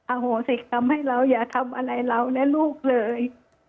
อ้าโหสิครับไม่นะอย่าทำอะไรนะแล้วลูกเลย